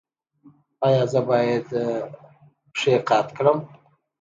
ایا زه باید پښې قات کړم؟